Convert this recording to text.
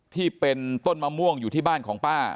ที่เป็นต้นมะม่วงอยู่ที่บ้านของป้า